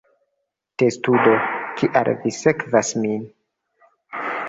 Testudo: "Kial vi sekvas min?"